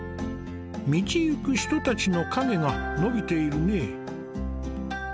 道行く人たちの影が伸びているね。